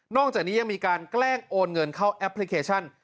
จากนี้ยังมีการแกล้งโอนเงินเข้าแอปพลิเคชัน